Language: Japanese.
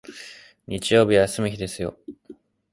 日曜日は休む日ですよ